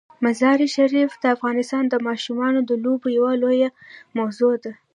مزارشریف د افغانستان د ماشومانو د لوبو یوه لویه موضوع ده.